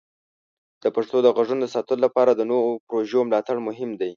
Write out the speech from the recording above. د پښتو د غږونو د ساتلو لپاره د نوو پروژو ملاتړ مهم دی.